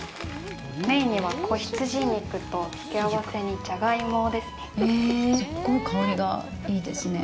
メインには仔羊肉とつけ合わせにじゃがいもですね。